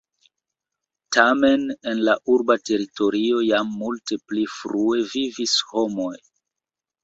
Tamen en la urba teritorio jam multe pli frue vivis homoj.